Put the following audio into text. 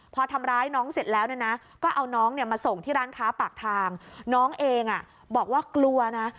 พอทำร้ายน้องเสร็จแล้วเนี่ยนะก็เอาน้องเนี่ยมาส่งที่ร้านค้าปากทางน้องเองอ่ะบอกว่ากลัวนะ